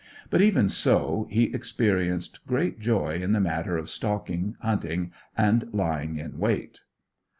But even so, he experienced great joy in the matter of stalking, hunting, and lying in wait.